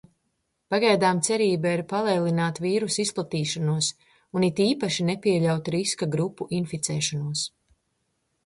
Pagaidām cerība ir palēnināt vīrusa izplatīšanos un it īpaši nepieļaut riska grupu inficēšanos.